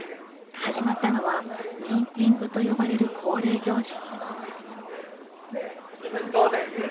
始まったのは「ミーティング」と呼ばれる恒例行事。